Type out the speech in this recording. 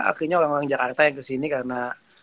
akhirnya orang orang jakarta yang kesini karena